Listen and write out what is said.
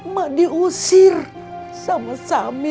mak diusir sama samin